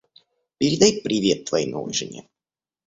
Передай привет твоей новой жене.